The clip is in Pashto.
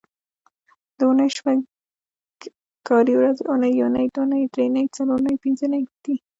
د اونۍ شپږ کاري ورځې اونۍ، یونۍ، دونۍ، درېنۍ، څلورنۍ، پینځنۍ دي